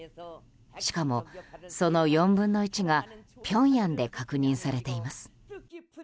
しかもその４分の１がピョンヤンで確認されています。